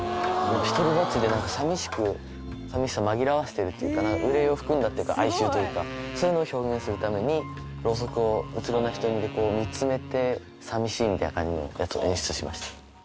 独りぼっちで寂しく寂しさ紛らわせてるというか憂いを含んだというか哀愁というかそういうのを表現するために蝋燭を虚ろな瞳で見つめて寂しいみたいな感じのやつを演出しました。